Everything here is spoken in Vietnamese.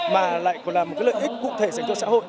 mà lại còn là một cái lợi ích cụ thể dành cho xã hội